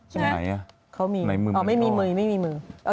ใช่ไหมเขามีอ้าวไม่มีมือ